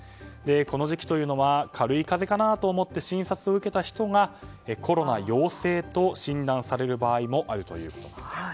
この時期というのは軽い風邪かなと思って診察を受けた人がコロナ陽性と診断される場合もあるということです。